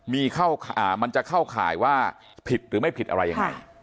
มีเข้ามันจะเข้าข่ายว่าผิดหรือไม่ผิดอะไรยังไง